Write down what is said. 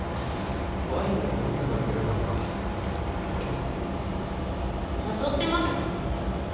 ワインでも飲んでから寝るかなあ誘ってます？